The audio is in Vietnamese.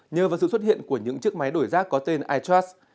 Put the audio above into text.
nhờ vào sự xuất hiện của những chiếc máy đổi rác có tên itras